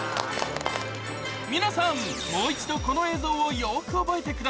皆さんもう一度この映像をよく覚えてください